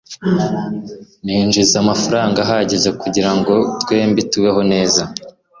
ninjiza amafaranga ahagije kugirango twembi tubeho neza